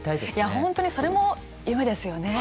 本当にそれも夢ですよね。